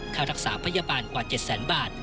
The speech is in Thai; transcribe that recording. ข้ารักษาพยาบาลกว่า๗๐๐๐๐๐บาท